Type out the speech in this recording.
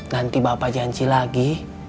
nanti bapak janji lagi